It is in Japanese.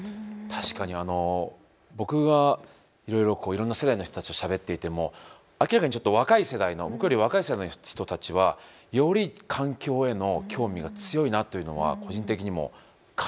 確かに僕がいろいろな世代の人たちとしゃべっていても明らかに若い世代の僕より若い世代の人たちはより環境への興味が強いなというのは個人的にも感じていますね。